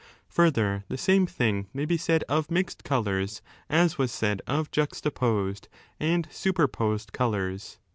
Further, the same thing may be said of mixed colours as was said of juxtaposed and superposed colours.